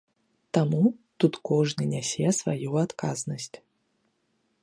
Таму, тут кожны нясе сваю адказнасць.